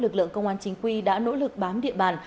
tượng công an chính quy đã nỗ lực bám địa bàn